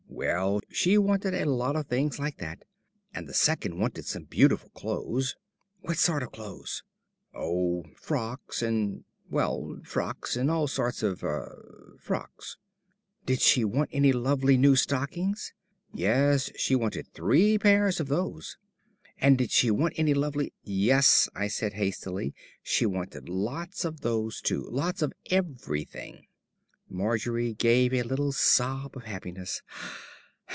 Well, she wanted a lot of things like that. And the second wanted some beautiful clothes." "What sort of clothes?" "Oh, frocks and well, frocks and all sorts of er frocks." "Did she want any lovely new stockings?" "Yes, she wanted three pairs of those." "And did she want any lovely " "Yes," I said hastily, "she wanted lots of those, too. Lots of everything." Margery gave a little sob of happiness.